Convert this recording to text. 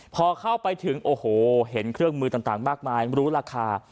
พอเข้าไปถึงโอ้โหเห็นเครื่องมือต่างมากมายรู้ราคา